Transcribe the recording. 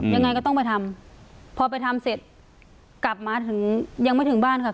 ยังไงก็ต้องไปทำพอไปทำเสร็จกลับมาถึงยังไม่ถึงบ้านค่ะ